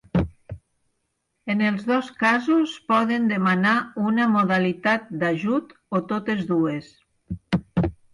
En els dos casos poden demanar una modalitat d'ajut o totes dues.